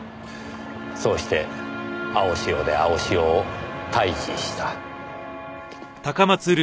そうして青潮で青潮を退治した。